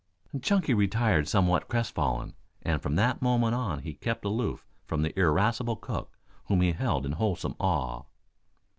Chunky retired somewhat crestfallen, and from that moment on he kept aloof from the irascible cook, whom he held in wholesome awe.